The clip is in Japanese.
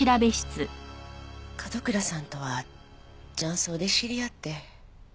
角倉さんとは雀荘で知り合って。